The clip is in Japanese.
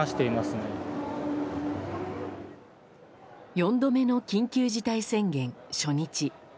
４度目の緊急事態宣言初日。